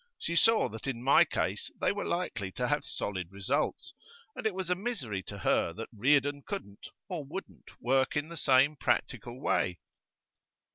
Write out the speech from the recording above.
She saw that in my case they were likely to have solid results, and it was a misery to her that Reardon couldn't or wouldn't work in the same practical way.